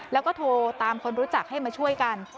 แล้วก็โทรตามคนรู้จักให้มาช่วยกัน